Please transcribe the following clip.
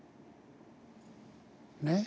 ねっ。